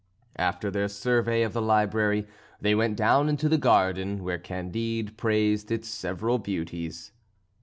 After their survey of the library they went down into the garden, where Candide praised its several beauties.